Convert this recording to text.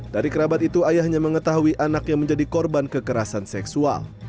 dari kerabat itu ayahnya mengetahui anaknya menjadi korban kekerasan seksual